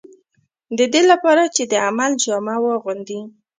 د دې لپاره چې د عمل جامه واغوندي.